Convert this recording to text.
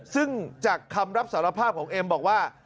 ซึ่งจากคำรับสารภาพของเอ็มบอกว่า